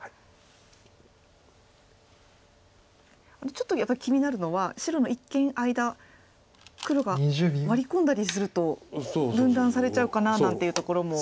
ちょっとやっぱり気になるのは白の一間の間黒がワリ込んだりすると分断されちゃうかななんていうところも。